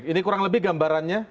ini kurang lebih gambarannya